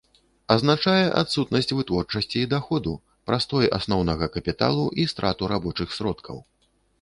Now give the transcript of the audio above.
Азначае адсутнасць вытворчасці і даходу, прастой асноўнага капіталу і страту рабочых сродкаў.